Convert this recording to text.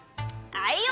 あいよ！